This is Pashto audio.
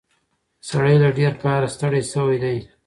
سړی له ډېر کاره ستړی شوی دی.